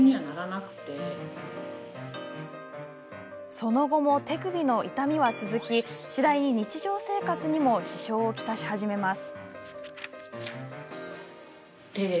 その後も手首の痛みは続き次第に日常生活にも支障を来し始めます。